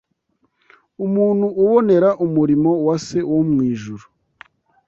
Umuntu ubonera umurimo wa Se wo mu ijuru